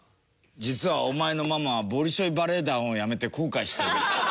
実はお前のママはボリショイ・バレエ団を辞めて後悔してる。